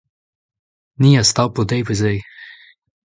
Ni az tapo deiz pe zeiz.